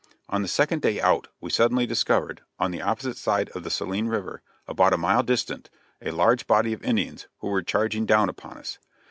On the second day out we suddenly discovered, on the opposite side of the Saline River, about a mile distant, a large body of Indians, who were charging down upon us.